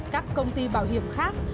các công ty bảo hiểm khác